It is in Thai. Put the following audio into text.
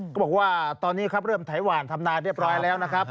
ก็บอกว่าตอนนี้เริ่มไทวานธำนาเรียบร้อยแล้ว